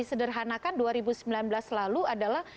sederhanakan dua ribu sembilan belas lalu adalah